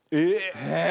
え！